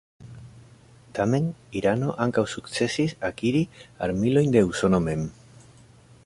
Tamen, Irano ankaŭ sukcesis akiri armilojn de Usono mem.